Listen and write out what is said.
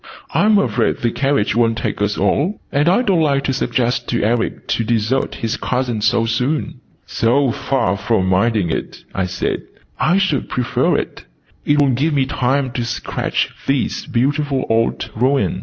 "I'm afraid the carriage wont take us all, and I don't like to suggest to Eric to desert his cousin so soon." "So far from minding it," I said, "I should prefer it. It will give me time to sketch this beautiful old ruin."